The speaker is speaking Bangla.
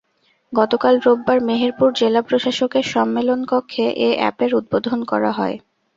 গতকাল রোববার মেহেরপুর জেলা প্রশাসকের সম্মেলনকক্ষে এ অ্যাপের উদ্বোধন করা হয়।